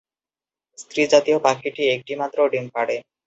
স্ত্রীজাতীয় পাখিটি একটিমাত্র ডিম পাড়ে।